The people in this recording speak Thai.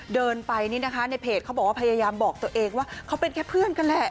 เดินไปนี่นะคะในเพจเขาบอกว่าพยายามบอกตัวเองว่าเขาเป็นแค่เพื่อนกันแหละ